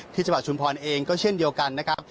จังหวัดชุมพรเองก็เช่นเดียวกันนะครับ